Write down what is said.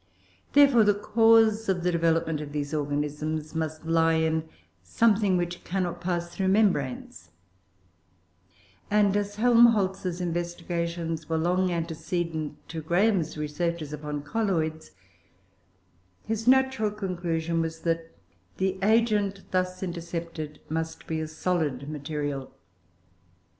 Therefore the cause of the development of these organisms must lie in something which cannot pass through membranes; and as Helmholtz's investigations were long antecedent to Graham's researches upon colloids, his natural conclusion was that the agent thus intercepted must be a solid material.